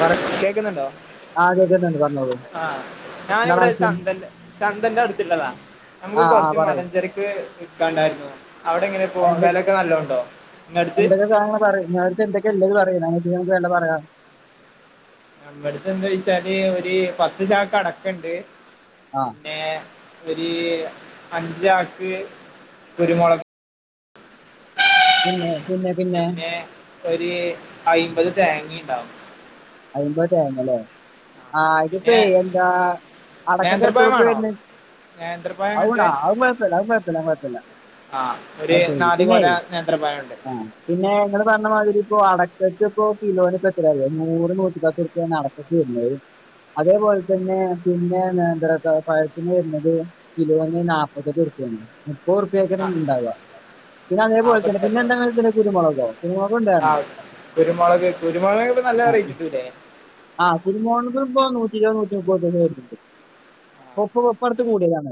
പറ കേക്കുന്നുണ്ടോ ആ കേൾക്കുന്നുണ്ട് പറഞ്ഞോളൂ ആഹ് എന്താണ് ഞാനിവിടെ ആവശ്യം ചന്തൻ ചന്തന്റെ അടുത്തുള്ളതാ നമുക്ക് ആ ആ കുറച്ച് പറയൂ [unintelligible] [unintelligible] വിക്കാണ്ടായിരുന്നു അവിടെ എങ്ങനെ പോ വിലയൊക്കെ നല്ലണ്ടോ ഇങ്ങടുത്ത് [unintelligible] പറയി ഇങ്ങളടുത്ത് എന്തൊക്ക ഇള്ളേന്ന്പറയ് [unintelligible] വേണ്ടത് പറയാം. നമ്മടുത്തെന്തായ്ച്ചാല് ഒര് പത്ത് ചാക്ക് അടക്കണ്ട് ആ പിന്നെ ഒര് അഞ്ച്യാക്ക് കുരുമൊളക്. [unintelligible] പിന്നെ ഒര് അയിമ്പത് തേങ്ങയ്ണ്ടാവും. അയ്മ്പത് തേങ്ങ അല്ലേ? ആഹ് ഇതിപ്പേ പിന്നെ എന്താ അടക്കക്ക് നേന്ത്രപ്പഴം എത്തറുപ്പ്യ വേണോ വരുന്നെ. [unintelligible] ഔവുണാ അത്കൊയപ്പല്ല അത്കൊയപ്പല്ല കൊയപ്പല്ല. ആഹ് ഒര് നാല്കൊല നേന്ത്രപയണ്ട്. ആ പിന്നെ ഇങ്ങള് പറഞ്ഞമാതിരി ഇപ്പൊ അടക്കക്ക് ഇപ്പൊ കിലോന് പ്പെത്രയാ അറിയോ നൂ റ്നൂറ്റിപത്ത് റുപ്പ്യാണ് അടക്കക്ക് വരുന്നത്. അതേപോലത്തന്നെ പിന്നെ നേത്ര പഴത്തിന് വരുന്നത്. കിലോന് നാപ്പെത്തെട്ട് റുപ്യാണ് മുപ്പത് റുപ്യക്കാണ് ആ ഉണ്ടാവ. പിന്നെതേപോലെ തന്നെ നാപ്പത്തെട്ടോ പിന്നെന്താണ്ള്ളത് കുരുമൊളകോ കുരുമുളകു ഉണ്ടായ്ര്ന്നോ? കുരുമൊളക്ന്പ്പ നല്ല റേറ്റ്കിട്ടൂല്ലേ? ആ കുരുമൊളകിനിപ്പോ നൂറ്റിര്വത് നൂറ്റിമുപ്പത് റുപ്യക്കെ വരുന്നുണ്ട്. ഇപ്പൊ പ്പൊ ഇപ്പടുത്ത് കൂടിയതാണ്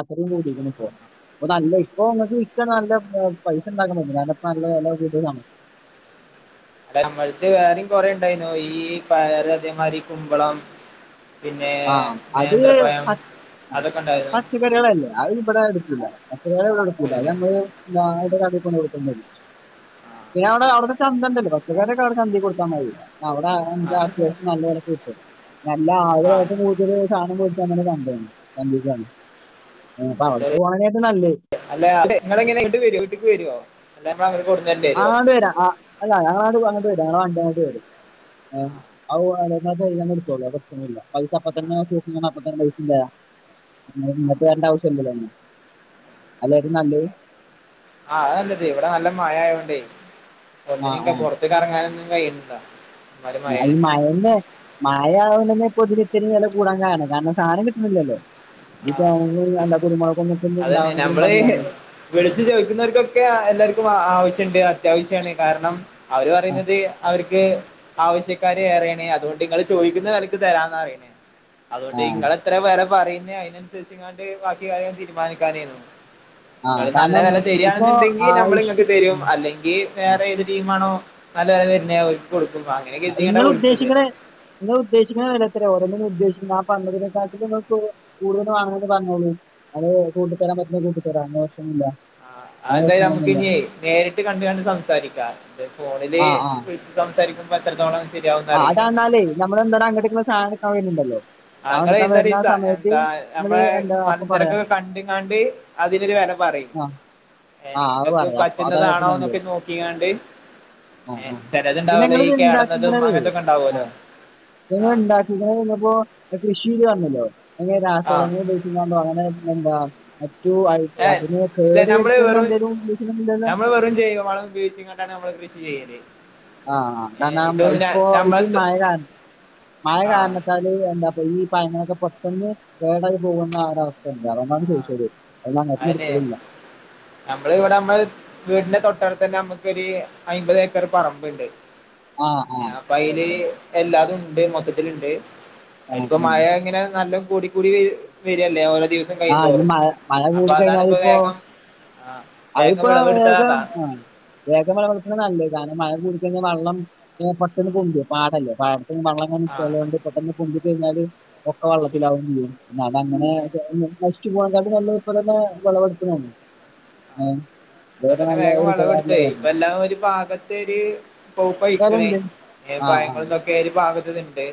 അത്രയും കൂടിയിക്ക്ണ് ഇപ്പൊ. ഇപ്പൊ നല്ല ഇപ്പോ ഇങ്ങക്ക് വിറ്റാ നല്ല പൈസണ്ടാക്കാൻ പറ്റും കാണിപ്പോ നല്ല വെല കൂടലാണ്. നമ്മൾത്ത് വേറെം കൊറേണ്ടായിനോ ഈ പയറ് അതേമാതിരി ഈ കുമ്പളം. പിന്നെ ആ അത് നേന്ത്രപ്പയം അതൊക്കെ ഉണ്ടായിരുന്നു. പച്ചക്കറികളല്ലെ അത് ഇബ്ടെ എടുക്കൂല്ല പച്ചക്കറികള് വിടെ എടുക്കല്ലഅത് എടുക്കലൊക്കെ നമ്മള് അയ്ന്റ കടേ കൊണ്ട് കൊടുക്കേണ്ടിവരും. പിന്നവിടെ അവ്ടെ ചന്തണ്ടല്ലോ പച്ചക്കറിക്കെ അവിടെ ചന്തെ കൊടുത്താമതി. അവിടെ ആ [unintelligible] നല്ല വെലക്ക് കിട്ടും നല്ല ആ ആൾക്കാര് കൂടുതല് സാനം വേടിക്കാവര്ന്ന ചന്തയാണ് [unintelligible] അപ്പൊ അവിടുക്ക് ശരി പോവാനായിട്ട് നല്ലത്. അല്ല അതിങ്ങളെങ്ങനെ ഇട് വരോ വീട്ടിക്ക് വരോ? [unintelligible] ആ വരാ ആ അല്ല ഞങ്ങളങ്ങട്ട്പ്പങ്ങട്ട് വരാ ഞങ്ങളെ വണ്ടി അങ്ങോട്ട് വരും. ഔ [unintelligible] കൈയിന്നങ്ങെടുത്തോളും അത്പ്രശ്നൊന്നുല്ല പൈസ അപ്പത്തന്നെ [unintelligible] അപ്പത്തന്നെ പൈസ തരാം. ഇങ്ങളിങ്ങട്ട് വരണ്ടാവശ്യം ഇല്ലല്ലോന്ന അയല്ലേറ്റം നല്ലത്. ആഹ് അതാല്ലത്. ഇവിടെ നല്ല മഴ ആയോണ്ടെ ആ ഒന്നിനും ഇക്കെ ആ പൊറത്തേക്ക്റങ്ങാനൊന്നും കഴിയുന്നില്ല. ഒരുമാതിരി ആ മഴയാണ് ഈ മയേന്റെ മയയാവുന്നെ പൊതുവെത്തിരി വെല കൂടാൻ കാരണം കാരണം സാനം കിട്ടുന്നില്ലല്ലോ ആ [unintelligible] അത് ഉണ്ടാവണെങ്കിലും പണിയാണ് വിളിച്ച് ചോയ്ക്കുന്നോർക്കൊക്കെ എല്ലാര്ക്കും ആവശ്യണ്ട് അത്യാവശ്യാണ് കാരണം അവര് ആ പറയുന്നത് അവര്ക്ക് ആവശ്യക്കാരേറയാണേ അതുകൊണ്ടിങ്ങള് ചോയ്ക്കുന്ന വെലയ്ക്ക് തരാന്നാറഞ്ഞേ അതുകൊണ്ട് ആ ഇങ്ങളെത്ര പേരാ പറയുന്നേ അയ്നന്സരിച്ച്ങ്ങാണ്ട് ബാക്കി കാര്യങ്ങ തീരുമാനിക്കാനേനു ആ ങ്ങള് നല്ല കാരണം വില ഇപ്പൊ തരിയാണെന്നുണ്ടെങ്കിൽ നമ്മള്ങ്ങക്ക് ആവശ്യം തരും അല്ലെങ്കി വേറേത് ടീമാണോ നല്ലവെല തര്ന്നെ ഓര്ക്കൊടുക്കും [unintelligible] നീയന്നെ വിളിച്ചത് ഇങ്ങള് ഉദ്ദേശിക്കുന്ന വെല തരാ ഓരോന്നിനു ഉദ്ദേശിക്കുന്ന ആ പറഞ്ഞതിനേക്കാട്ടിലു ങ്ങക്ക് കൂടുതല് വാങ്ങണേങ്കി പറഞ്ഞോളൂ അത് കൂട്ടിത്തരാൻ പറ്റുന്നേ കൂട്ടി തരാം അങ്ങ പ്രശ്നൊന്നില്ല അ ന്തായാലും നമുക്കിനിയേ നേരിട്ട് കണ്ട് കണ്ട് സംസാരിക്കാം ഫോണില് ആ ആ സംസാരിക്കുമ്പോ എത്രത്തോളം ശരിയാവുംന്ന് ആ അറിയില്ല അതാന്നാലേ നമ്മള് [unintelligible] അങ്ങട്ടേക്കുള്ള സാധനെട്ക്ക വെര്ന്ന്ണ്ടല്ലോ അങ്ങനെ ഇന്നൊരീസ എന്താ നമ്മളെ എന്താ അപ്പൊ പറയാം മനചരക്കൊക്കെ കണ്ട്ങ്ങാണ്ട് അതിനൊരു വെല പറയും ആ ഏ ആ അത് ഇങ്ങക്ക് പറയാം അപ്പൊ അതാണ് ഏറ്റവും പറ്റുന്നതാണോന്നൊക്കെ നല്ലത് നോക്കിങ്ങാണ്ട് ആ ഏ ആ പിന്നെ ചെലതുണ്ടാവലോ ഈ നിങ്ങൾ കേടന്നതും അങ്ങന [unintelligible] എങ്ങനെ ആഹ് രാസവളങ്ങള് ഉപയോഗിച്ചിങ്ങോണ്ടോ അങ്ങനെ എന്താ മറ്റു [unintelligible] ഏഹ് ഇല്ല കേട് ഞമ്മള് വരുത്തുന്ന വെറും എന്തെങ്കിലും ഉപയോഗിക്കുന്നുണ്ടല്ലോ ഞമ്മള് വെറും ജൈവവളം ഉപയോഗി താണ്നമ്മള് കൃഷി ചെയ്യല് ആഹ ഏഹ് കാരണം ഇതൊന്നും ഞ ഇപ്പൊ... ഇപ്പ ഈ നമ്മളെത്ത് മഴ കാരണം മഴ ആഹ് കാരണത്ത എന്താപ്പൊ ഈ പയങ്ങളൊക്കെ പെട്ടെന്ന് കേടായി പോകുന്ന ഒരവസ്ഥ ഉണ്ട്. അപ്പ ങ്ങളൊന്ന് ചോയ്ച്ചോക്കേണ്ടി അയ്നെ ഞമ്മള് ന്ഇവിടെ അമ്മള് വീടിന്റെ തൊട്ടടുത്തന്നെ അമ്മക്കൊര് അയ്മ്പതേക്കർ പറമ്പ്ണ്ട് ആ ആ അപൈൽ ഓക്കെ എല്ലാതുംണ്ട് മൊത്തത്തില്ണ്ട് ആ അയ്‌ല്പ്പോ ഉം. മഴ ങ്ങനെ നല്ല കൂടി കൂടി വരല്ലേ ഓരോ ദിവസ ആഹ് നിമഴ മഴ കൂടി കഴിഞ്ഞാല്പ്പോ വേഗം ആ വേഗം അതിപ്പോ വിളവെടുത്തത് വേഗം അതാണ് ആ വേഗം വെളവെട്ക്ക്ണ നല്ല. കാരണം മഴ കൂടിക്കഴിഞ്ഞാ വള്ളം പെട്ടെന്ന് പൊന്തും. പാടല്ലേ പാടത്ത് വള്ളം ങ്ങ ആ നിക്ക്ണതോണ്ട് പെട്ടെന്ന് പൊന്തി കഴിഞ്ഞാല് ഒക്കെ വെള്ളത്തിലാവും ചെയ്യും. പിന്നെ അതങ്ങനെ അതന്നെ നശിച്ചു പോണക്കാട്ടിം നല്ലത് ഇപ്പ തന്നെ വെളവെടുക്ക്ണാണ് ഏ പ്പതന്നെ വേഗം വെളവെടുത്തേയ്. ഇപ്പ എല്ലാം ഒരു പാകത്തെര് പൗപ്പായിക്ക്ണ് ഉണ്ട്. ഏ ആ ആ പയങ്ങളും തൊക്കെര് പാഗത്ത്ല് ണ്ട്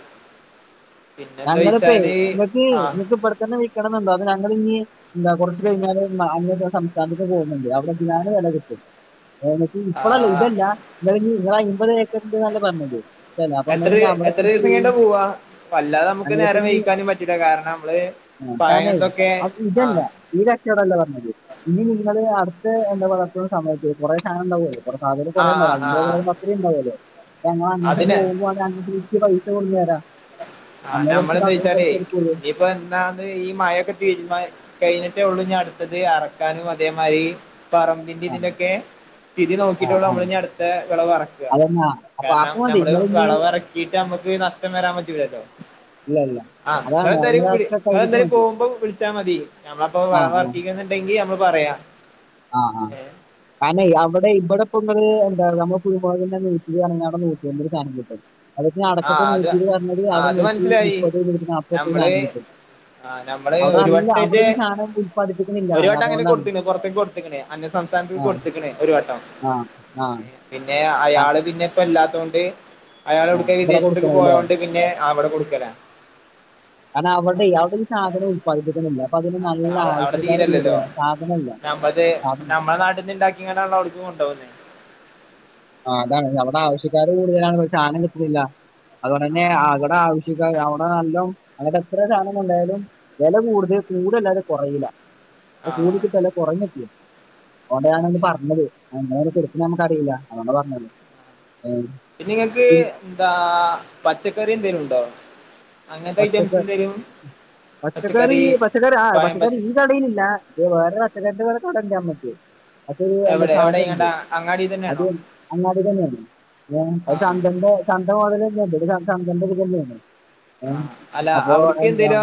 ഞങ്ങളിപ്പെയ് ങ്ങക്ക് നിപ്പൊ ബട്ത്തന്നെ വിക്കണെന്നുണ്ടോ. അതോ ഞങ്ങളിഞ്ഞി എന്താ കുറച്ച കഴിഞ്ഞാല് [unintelligible] ഒരു സംസ്ഥാനത്ത് പോകുന്നുണ്ട് അവിടെ ഇഞാണ് വില കിട്ടും ഇപ്പളല്ല ആ ഇതല്ല ങ്ങള് ങ്ങള് അയ്മ്പത് ഏക്കർണ്ട്ന്നല്ലെ പർഞ്ഞത് എത്ര എത്ര ദിവസം കയ്ഞിട്ടാ പോവാ വല്ലാതെ നമുക്ക് ഞങ്ങളിപ്പോ നേരം ഇനി വെയയിക്കാനും പറ്റില്ല. കാരണം മ്മള് ആ, പയം കാരണം തൊക്കെ അത് ഇതല്ല ആഹ് ഈ കച്ചോടല്ല പർഞ്ഞത്. ഇനി നിങ്ങള് അടുത്ത എന്താ വളർത്ത്ണ സമയത്ത് കുറേ സാനം ണ്ടാവുവല്ലോ കൊറേ സാധനം ആ ആ കുറേണ്ടാവല്ലോ. ആ അയ്മ്പത് ആ റിമ്പം അത്രീംണ്ടാവുല്ലോ. ഞങ്ങളങ്ങട്ട് അതിന് പോവ്വാണങ്ങെട്ട് അത് ട്ട് പൈസ കൊട്ന്നരാ ആ നമ്മലെന്തേചാലെയ് എടുക്കുള്ളൂ നിപ്പോന്താന്ന് ഈ മഴക്കെ തീരുമാ കഴിഞ്ഞിട്ടേ ഉള്ളൂ ന്നി അടുത്തത് എറക്കാനും അതേമായ്രി പറ ൻ്റിം ആ തിന്റെ ക്കെ സ്ഥിതി ആ നോക്കിട്ടുള്ളൂ ആ നമ്മള്ന്നിഅടുത്തെ വിളവ് ഇറക്ക അതന്നെ അപ്പൊ കാരണം അപ്പൊ മതി നമ്മള് നിങ്ങൾ ഇനി വെളവറക്കിട്ട് നമ്മുക്ക് നഷ്ടം വരാൻ പറ്റൂലല്ലോ ഇല്ല ഇല്ല. ആ അതാണ് ങ്ങളെന്തായാലും വിളി അതിനൊക്കെ കഴിഞ്ഞിട്ട് ങ്ങളെന്താലും മതി. പോകുമ്പോ വിളിച്ചാ മതി. നമ്മളപ്പോ ആ ആ വെളവറക്കീക്ക്ണ ണ്ടെങ്കിൽ നമ്മള് പറയാം ആ ആ ഏഹ് കാര്നെയ് അവടെ ഇബടെപ്പങ്ങള് എന്താറിയ നമ്മളെ കുരുമൊളകിൻ്റെ നൂറ്റി രാണെങ്കില് ഔടെ നൂറ്റൈംബെന് സാനം കിട്ടും എല്ലത്തി അടക്കക്ക് ആഹ് അത് നൂറ്റിരുവർഞ്ഞത് ആഹ് അവിടെ അത് നൂറ്റി മനസ്സിലായി മുപ്പത് നൂറ്റി നാപ്പർപ്യക്ക് നമ്മള് സാനം കിട്ടും ആഹ് നമ്മള് അവിടെ ഒരു നല്ല അവിടെ വട്ടായിട്ട് ഈ സാനം ഉല്പാദിപ്പിക്ക്ണ്ല്ല. അതോണ്ടാണ്. പൊർത്ത്ക്ക് കൊടുത്ത്ക്ക്ണ്. അന്യസംസ്ഥാനത്ത്ക്ക് കൊട്ത്ത്ക്ക്ണ് ഒരു വട്ടം. ആ ആ പിന്നെ, ആ അയാള് പിന്നെപ്പോല്ലാത്തോണ്ട് ആ. അയാളോട്. ഇവിടെ വിദേശത്ത്ക്ക് കൊടുക്കണല്ലേ. പോയോണ്ട് പിന്നെ അവിടെ കൊടുക്കലാ. കാരണം അവരടെയ് അവടീ സാധനം പഴത്ത്ട്ടൊന്നുല്ല. പ്പൊ അതിന് നല്ല അവ അവിടെ ആവശ്യക്കാര് തീരല്ലല്ലോ കൂടുതലാണ്. സാധനല്ല സാധ മ്മളെ നാട്ട്ന്ന്ണ്ടാക് ഇങ്ങനെള്ളവിടക്കും കൊണ്ടോവില്ലേ ആ അതാണ്. അവടെ ആവശ്യക്കാര് കൂടുതലാണ് സാനം കിട്ട്ണില്ല. അതുകൊണ്ട്തന്നെ ആഹ് അവിടെ ആവശ്യ ക്കാര് അവിടെ നല്ലോം അങ്ങട്ടെത്ര സാനം കൊണ്ടായാലും വില കൂടുതൽ. കൂട്അല്ലാതെ കുറയീല കൂടി ആഹ് കിട്ടല്ല കുറഞ്ഞിട്ടിണ്. അതൊണ്ടാ ഞാനന്ന് അതെ പറഞ്ഞത്. ഇങ്ങളങ്ങനെ കൊട്ക്ക്ണത് നമ്മക്കറീല. അതോണ്ടാ പറഞ്ഞത് ഏ. പിന്നെങ്ങക്ക് ൻന്താ പച്ചക്കറി എന്തേലും ണ്ടോ. പച്ചക്കർ പച്ചക്കറീ പച്ചക്കറി പച്ചക്കറി, ആ പയം പച്ച പച്ചക്കറിൻ കടയിലില്ല. വേറെ പച്ചക്കറിൻ്റെ വേറെ കടണ്ട് ഞമ്മക്ക്. അത് അയ്ല് എവിടെ എവിടെ ഇങ്ങണ്ട സാധണ്ട്. അങ്ങാടി അത് തന്നെയാണോ അങ്ങാടി തന്നെയാണ്. ഏ ആ അഅ് ചന്തൻ്റെ ചന്തമാതിരെന്നെ ഇതൊരു ചന്തൻ്റെതിരിര്യന്നേണ് ആ അല്ല അവിട്ക്ക് എന്തേലു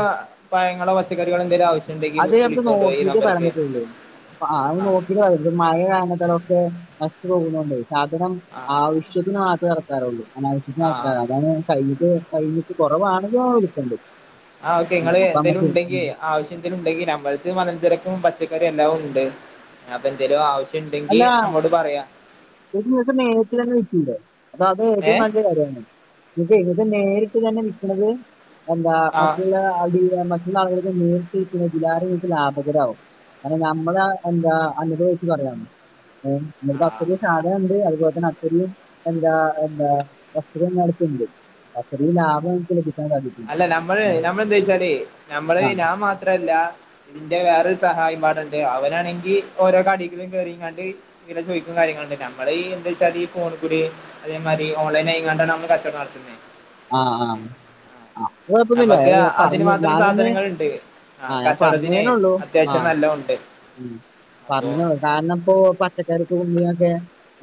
പഴങ്ങളോ പച്ചക്കറികളോ എന്തേലും ആവശ്യംണ്ടെങ്കി അത് നമുക്ക് വിളിക്കോണ്ടു ഈ നോക്കിയിട്ട് നമ്പർക്ക്. [unintelligible] ആ അതൊന്ന് നോക്കി ഞാൻ മഴ [unintelligible] നഷിച്ചു പോകുന്നുണ്ട് സാധനം ആ ആവശ്യത്തിന് മാത്രം നടക്കാറുള്ളു അനാവശ്യത്തിന് ആ നടത്താറ അതാണ് കഴിഞ്ഞിട്ട് കഴിഞ്ഞ്. അപ്പവാണെങ്കിൽ വിളിക്കണ്ട്. ആ ഓക്കെ നിങ്ങൾ എന്തേലും ഉണ്ടെങ്കിൽ ആവശ്യം എന്തേലും ഉണ്ടെങ്കിൽ നമ്മളെരുത്ത് മലംചരക്കും പച്ചക്കറിയും എല്ലാം ഉണ്ട് അപ്പൊ എന്തെങ്കിലും ആവശ്യം ഇണ്ടെങ്കി അല്ല നമ്മോട് പറയാം. [unintelligible] നേരിട്ട് തന്നെ വിറ്റൂടെ അപ്പൊ അത് ഏ ഏറ്റവും നല്ല കാര്യണ് ഇത് ഇത് നേരിട്ട് തന്നെ വിൽക്കണത് എന്താ ആ മറ്റുള്ള മറ്റുള്ള ആളുകൾക്ക് നേരിട്ട് വിൽക്കുന്നത് ഇതിലേറെ ഇങ്ങക്ക് ലാഭകരാവും കാരണം നമ്മള എന്താ അനുഭവ വെച്ച് പറയാണ് [unintelligible] ആ അതുണ്ട് അതുപോലെ തന്നെ അത്തരം എന്താ എന്താ വസ്തുതങ്ങളൊക്കെ ഉണ്ട് അത്രയും ലാഭം [inaudible] അല്ല നമ്മള് ഉം. നമ്മളെന്താ വെച്ചാല് നമ്മള് ആ ഞാൻ മാത്രല്ല ഇതിന്റെ വേറൊരു സഹായിം പാടണ്ട് അവനാണെങ്കിൽ ഓരോ കടയിലും കേറിങ്ങാണ്ട് ഇങ്ങന ചോദിക്കും കാര്യങ്ങളണ്ട് നമ്മള് ഈ എന്താ വെച്ചാ ഈ ഫോണി കൂടി അതേമാതിരി ഓൺലൈൻ ആയാണ്ടാണ് നമ്മൾ കച്ചവടം നടത്തുന്നുന്നത് ആഹ് ആഹ് ആ അത് കൊഴപ്പൊന്നില്ല നമ്മക്ക് അതിന് പറഞ്ഞു മാത്രം ഞാനൊന്ന് സാധനങ്ങളുണ്ട് ആ ആഹ് ഞാൻ കച്ചവടത്തിന് പറഞ്ഞതേനേള്ളൂ അത്യാവശ്യം ആഹ് നല്ല ഉണ്ട് ഉം അപ്പൊ പറഞ്ഞന്നെള്ളു കാരണം ഇപ്പോ പച്ചക്കറിക്ക് ഉള്ളിന്നൊക്കെ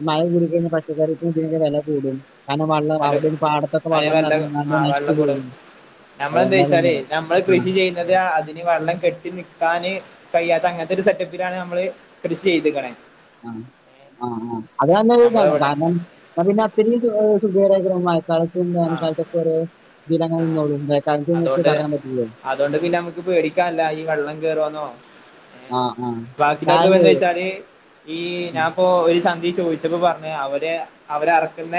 മഴ കുടിക്കഴിഞ്ഞ പച്ചക്കറിക്ക് ഉള്ളിന്നൊക്കെ വില കൂടും കാരണം വള്ളം നല്ല അവിടെ പാടത്തൊക്കെ അതിന് വള്ളം വെള്ളം ആ നറഞ്ഞു നശിച്ചു വെള്ളം കൂടും പോകുന്നു നമ്മളെന്താ അതൊണ്ടാ പിന്നെ വെച്ചാലേ നമ്മള് ആഹ് [unintelligible] അതിന് വെള്ളം കെട്ടി നിക്കാന് കഴിയ്യാത്ത അങ്ങനത്തെ ഒരു സെറ്റപ്പിലാണ് നമ്മള് കൃഷി ചെയ്തുക്കണേ ആഹ് ആഹ് ആഹ് അത് നല്ലൊരു നമ്മളെ ഇതാണ് ഇവിടെ കാരണം പിന്നെ അത്രയും സുഖഖര ആ ആ അതുകൊണ്ട് [unintelligible] [unintelligible] അതുകൊണ്ട് പിന്നെ നമുക്ക് പേടിക്കാൻല്ല ഈ വെള്ളം കയറോന്നോ ആ ആ ബാക്കില്ലെടുത്തൊക്കെ കാരണം എന്ത വച്ചാല് ഈ ഉം, ഞാപ്പോ ഒരു [unintelligible] ഇത് ചോദിച്ചപ്പോ പറഞ്ഞ് അവര് അവരറക്കുന്ന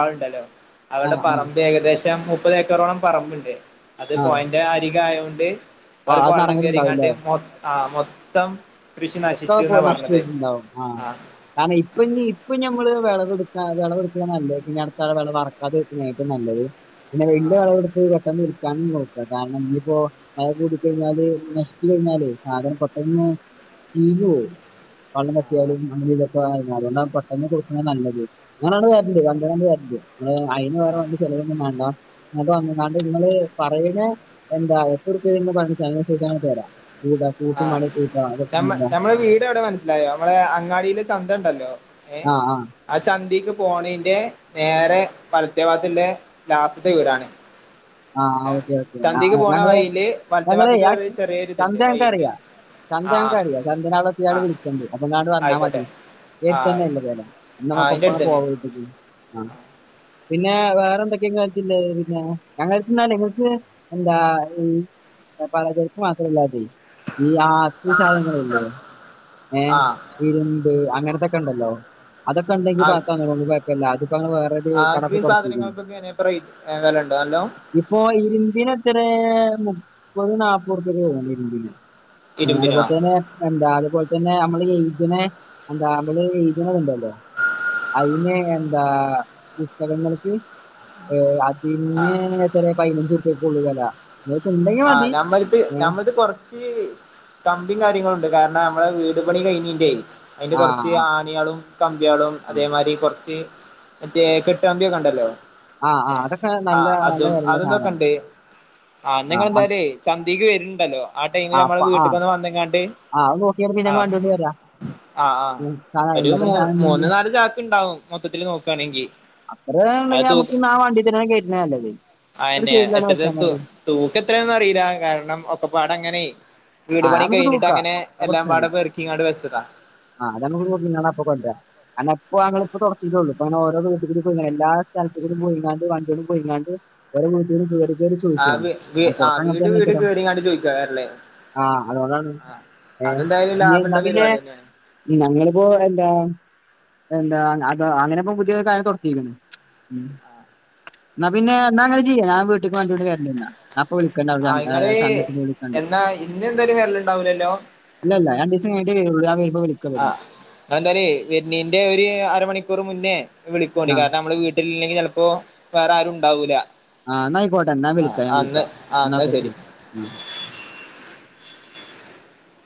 ആളുണ്ടല്ലോ ആ അവിടെ ആ പറമ്പ് ഏകദേശം മുപ്പത് ഏക്കറോളം പറമ്പ് ഉണ്ട് അത് ആ പോയിന്റ് എന്റെ അരികായോണ്ട് അപ്പൊ അവിടുക്ക് അത് വെള്ളം കയറിങ്ങാണ്ട് നടന്നിട്ടുണ്ടാവില്ലേ ആ മൊത്തം കൃഷി നശിച്ചു ഒക്കപ്പോ എന്നാ പറഞ്ഞത് നഷ്ടായിട്ടുണ്ടാവും ആഹ് ആ കാരണം ഇപ്പൊ ഇനി ഇപ്പൊ ഞമ്മള് വിള കൊടുക്ക വിള കൊടുക്ക നല്ല ഇനി അടുത്താള വിള വറക്കാതെക്കുന്നായിട്ട് നല്ലത് പിന്നെ ആ വെന്റെ അളവെടു [unintelligible] [unintelligible] നോക്കുക കാരണം ഇനിയിപ്പോ മഴ കൂട കഴിഞ്ഞാല് നശിച്ചു കഴിഞ്ഞാല് സാധനം പെട്ടെന്ന് ശീലോ വള്ളം കട്ടിയാലും ആ അങ്ങനെ ഇതൊക്കെ ആരുന്നു അതുകൊണ്ടാണ് പെട്ടെന്ന് കൊടുക്കുന്നത് നല്ലത് അങ്ങനാണ് [unintelligible] അയിന് വേറെ ചിലവൊന്നും വേണ്ട [unintelligible] കണ്ട് നിങ്ങള് പറയുന്നെ എന്താ എത്രറൂപ്യൽ നിന്ന് പ ചൈണ് തരാം കൂട കൂട്ട മഴ പൂക്ക മ്മ നമ്മടെ വീട് എവിടെ മനസ്സിലായോ നമ്മളെ അങ്ങാടിയില ചന്ത ഉണ്ടല്ലോ ങ്ങേ ആ ചന്തേക്ക് പോണീന്റെ നേരെ വലത്തെ ഭാഗത്തിൻ്റെ ലാസ്‌റ്റെത്തെയിറാണ് ആ ച ഓക്കെ ഓക്കെ ആ ചന്തേക്ക് ആ, പോണ ഞങ്ങള് വൈയില് വലത്ത് ഞങ്ങളെ ആ ഭാഗതിക്ക് ചെറിയരി ചന്ത ഇതുണ്ട് ഞങ്ങൾക്ക് വൈഴുണ്ട് ചന്ത ഞനക്ക് അറിയാം ആ ആ ചന്ധ്യനാവിടെെത്തിെ വിളിച്ചണ്ട് അപ്പൊങ്ങാട്ട് വന്നാൽ മതി ആയിക്കോട്ടെ ആ ഏക്ക് തന്നെ ആയിക്കോട്ടെ ഇല്ലേ ആ അതിന്റെ അടുത്ത് തന്നെയാണ് [unintelligible] ആഹ് പിന്നെ വേറെന്തൊക്കെയ [unintelligible] പിന്നെ ഞങ്ങക്ക്ന്നാൽ എങ്ങക്ക് എന്താ മ് പരാചരക്ക് മാത്രമല്ലാതെ ഈ ആ സാധനങ്ങളല്ലേ ഏർ് ആ ഇരുമ്പ് അങ്ങനത്തൊക്കെ ഉണ്ടല്ലോ അതൊക്കെ ഉണ്ടെങ്കിൽ [unintelligible] കുഴപ്പമില്ല അത്പ്പ [unintelligible] ആക്രീ സാധനങ്ങൾക്കൊക്കെ വിലണ്ടോ അല്ലോ ഇപ്പൊ ഇരുമ്പിന് എത്ര മുപ്പത് നാപ്പത് രൂപ്യ പോകുന്നു ഇരുമ്പിന് ഇരുമ്പിനോ പത്തന എന്താ അതുപോലെ തന്നെ നമ്മള് എഴുത്തണെ എന്താ നമ്മള് എഴുതനെ ഉണ്ടല്ലോ അതിനെ എന്താ പുസ്തകങ്ങൾക്ക് ഏ ആ പിന്നെ എത്ര പതിനഞ്ച് രൂപ്യയൊക്കെ ഉള്ളൂ വില ആഹ് മതി ഞമ്മളിത് ഏഹ് ഞമ്മളിത് പുറ കമ്പീം കാര്യങ്ങളുണ്ട് കാരണം നമ്മളെ വീട് പണി കഴിഞ്ഞില്ലേ അതില് കൊറച്ച് ആഹ് ആണിയളും കമ്പികാളും ആഹ് അതേമാരി കുറച്ച് മറ്റേ കെട്ടുകമ്പിയൊക്കെയുണ്ടല്ലോ? ആഹ് അതൊക്കെ ആ നല്ല നല്ല അതും വിലയുള്ള സാധനമാണ് അതെന്തൊക്കെയുണ്ട് ആ ആഹ് നിങ്ങളെന്തായാലേ ചന്തേക്ക് വരുണുണ്ടല്ലോ ആ ടൈമില് നമ്മള് അപ്പൊ ആ വീട്ടിക്ക് ഒന്നു വന്നങ്ങാണ്ട് ആ അത് നോക്കിയാ മതി ഞാൻ വണ്ടി കൊണ്ട് വരാം ആ ആ ഉം. സാധനം ഒരു അയിമേത്ര മൂ സാധനം മൂന്ന് ഉണ്ടെങ്കിൽ നാല് ചാക്ക് ഉണ്ടാവും മൊത്തത്തില് നോക്കാണെങ്കിൽ അത്രണ്ടെങ്കിൽ നമ്മുക്ക് ന്നാ ആ വണ്ടീ തന്നെ കേറ്റല്ലേ നല്ലത് ഒരു സൈഡി തന്നെ വെച്ചാ മതി തൂക്കം എത്രയാന്ന് അറിയില്ല ആകെ കാരണം ഒക്കപ്പാടെ അങ്ങനെ വീട് ആ അത് പണി നമുക്ക് കഴിഞ്ഞിട്ട് തൂക്കാം അങ്ങനെ എല്ലാം പാടെ പെറുക്കിയങ്ങാട് വെച്ചതാ ആഹ് അത് നമക്ക് നോക്കീം കണ്ടും അപ്പൊ കൊണ്ടരം അല്ല ഇപ്പൊ അങ്ങളെ ഇപ്പൊ തുറത്തിട്ടേള്ളൂ ഇപ്പ ഓരോന്ന് കൂടി പോയി എല്ലാ സ്ഥലത്തും കൂടി പോയിങ്ങാണ്ട് വണ്ടിം പോയിങ്ങാണ്ട് വര [unintelligible] ആ വീ വീ ആ വീട് വീട് കേറിങ്ങണ്ട് ചോയിക്കാറില്ലേ ആഹ് അതുകൊണ്ടാണ് ഏ ലാഭള്ള പരിപാടി തന്നെയാണ് ഞങ്ങളിപ്പോ എന്താ എന്താ ഞാ ഇപ്പൊ അങ്ങനെ ഇപ്പ പുതിയ കയറ് തൊടുത്തിരിക്കണ് ഉം.. ന്നാ പിന്നെ എന്നാങ്ങനെ ചെയ്യാം ഞാൻ വീട്ടിക്ക് വണ്ടികൊണ്ട് കേറ്റണില്ല അപ്പൊ വിളിക്കണ്ട പറഞ്ഞ് ആ സന്ധ്യയ്ക്ക് ഞാൻ കണ്ടു എന്നാ ഇന്ന് എന്തായാലും വെല്ല ഉണ്ടാവൂലല്ലോ ഇല്ല ഇല്ല രണ്ട് ദിസം കഴിഞ്ഞിട്ടേ വരുള്ളൂ ആ വപ്പ ആ അതെന്തറിയോ വരണെൻ്റെ ഒരു അരമണിക്കൂറ് മുന്നേ വിളിക്കണ്ടി ആ കാരണം നമ്മള് വീട്ട ല്ലെങ്കില് ചിലപ്പോ വേറെ ആരും ഉണ്ടാവൂല ആ എന്നാ ആയിക്കോട്ടെ എന്നാ ആ വിളിക്കാം ഞാൻ ആഹ് എന്നാ വിളിക്കാം ആ എന്നാ ഓക്കെ ആ ശരി